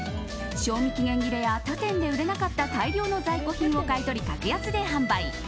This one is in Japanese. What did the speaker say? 賞味期限切れや他店で売れなかった大量の在庫品を買い取り格安で販売。